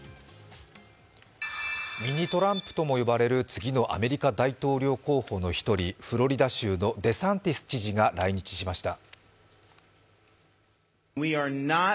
ミニ・トランプとも呼ばれる次のアメリカ大統領候補の１人フロリダ州のデサンティス知事が来日しました。